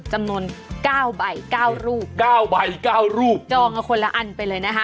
จำนวนเก้าใบเก้ารูปเก้าใบเก้ารูปจองเอาคนละอันไปเลยนะคะ